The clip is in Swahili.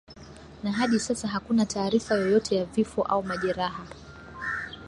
na hadi sasa hakuna taarifa yoyote ya vifo au majeraha